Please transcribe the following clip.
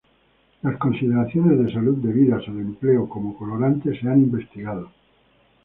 Las consideraciones de salud debidas al empleo como colorante se han investigado.